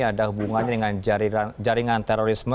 ada hubungannya dengan jaringan terorisme